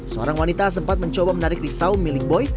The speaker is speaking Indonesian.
seorang wanita sempat mencoba menarik riksau milik boy